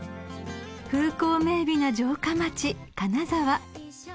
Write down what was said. ［風光明媚な城下町金沢］